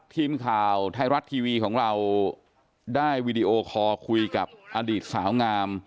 ทีมข่าวไทยรัฐทีวีของเราได้วีดีโอคอร์คุยกับอดีตสาวงาม